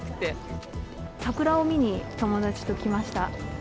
桜を見に、友達と来ました。